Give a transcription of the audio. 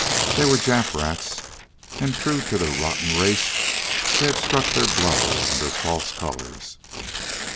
They were Jap rats, and true to their rotten race they had struck their blow under false colors.